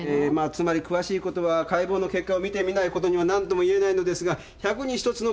つまり詳しいことは解剖の結果を見てみないことには何とも言えないのですが百に一つの可能性として。